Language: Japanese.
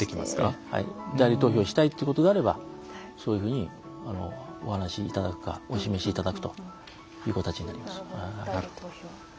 代理投票したいということであればそういうふうにお話しいただくかお示しいただくという形になります。